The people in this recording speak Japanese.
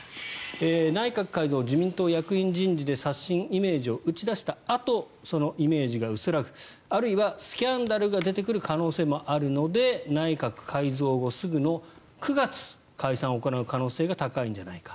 内閣改造、自民党役員人事で刷新イメージを打ち出したあとそのイメージが薄らぐあるいはスキャンダルが出てくる可能性もあるので内閣改造後すぐの９月に解散を行う可能性が高いんじゃないか。